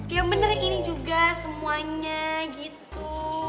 yang bener ini juga semuanya gitu